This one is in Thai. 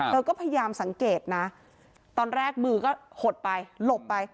เธอก็พยายามสังเกตนะตอนแรกมือก็หดไปหลบไป